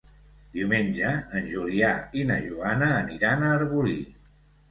Diumenge en Julià i na Joana aniran a Arbolí.